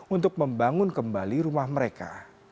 untuk membangun kembali rumah mereka